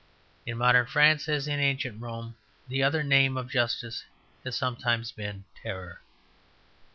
In modern France, as in ancient Rome, the other name of Justice has sometimes been Terror.